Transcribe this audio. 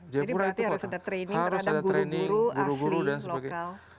jadi berarti harus ada training terhadap guru guru asli lokal